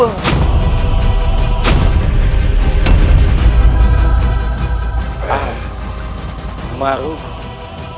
kau tidak ada potensi gusti